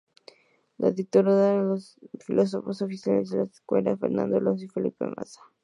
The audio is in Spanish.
Lo conducían los pilotos oficiales de la escudería, Fernando Alonso y Felipe Massa.